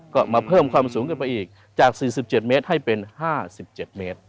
ก็มาเพิ่มความสูงขึ้นไปอีกจาก๔๗เมตรให้เป็น๕๗เมตร